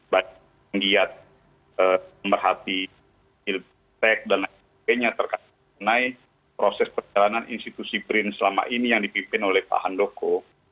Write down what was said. menggiat pemerhati ilmiah dan lain lainnya terkait dengan proses perjalanan institusi brin selama ini yang dipimpin oleh pak handoko